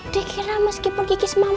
dekirnya meskipun kiki semangatnya